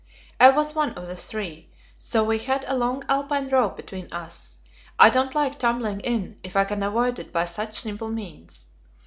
I was one of the three, so we had a long Alpine rope between us; I don't like tumbling in, if I can avoid it by such simple means.